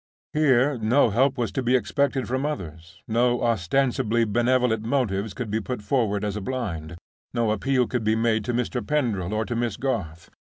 Here no help was to be expected from others, no ostensibly benevolent motives could be put forward as a blind—no appeal could be made to Mr. Pendril or to Miss Garth.